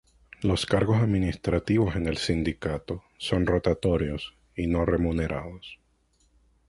Los cargos administrativos en el sindicato son rotatorios y no remunerados.